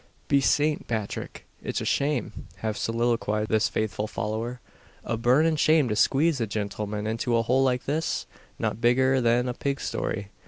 "Be Saint Pathrick! it's a shame," half soliloquised this faithful follower. "A burnin' shame to squeeze a gintleman into a hole like this, not bigger than a pig stoy!